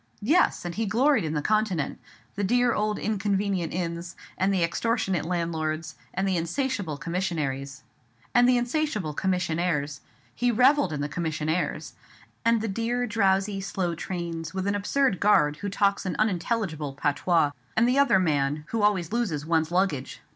Yes, and he gloried in the Continent; the dear old inconvenient inns, and the extortionate landlords, and the insatiable commissionaires—he revelled in the commissionaires; and the dear drowsy slow trains, with an absurd guard, who talks an unintelligible patois, and the other man, who always loses one's luggage!